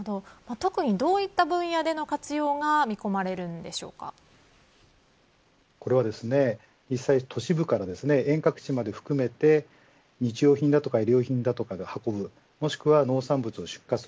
特にどういった分野での活用が実際、都市部から遠隔地まで含めて日用品だとか医療品だとかを運ぶもしくは農産物を出荷する